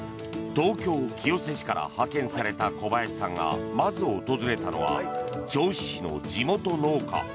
東京・清瀬市から派遣された古林さんがまず訪れたのは銚子市の地元農家。